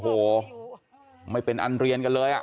โอ้โหไม่เป็นอันเรียนกันเลย